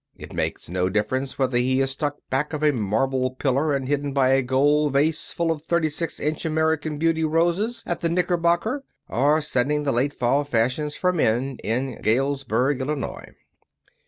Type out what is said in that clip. It makes no difference whether he is stuck back of a marble pillar and hidden by a gold vase full of thirty six inch American Beauty roses at the Knickerbocker, or setting the late fall fashions for men in Galesburg, Illinois."